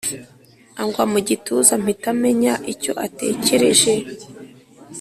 angwa mu gituza mpita menya icyo atekereje.